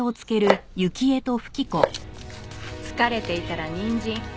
疲れていたらにんじん。